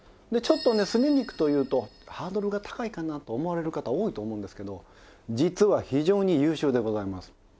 でちょっとねすね肉というとハードルが高いかなと思われる方多いと思うんですけど実は非常に優秀でございます。